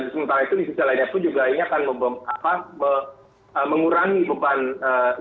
sementara itu di sisi lainnya pun juga ini akan mengurangi beban yang subsidi energi pemerintah